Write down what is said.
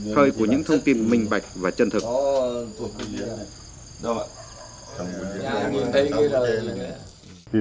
khơi của những thông tin minh bạch và chân thực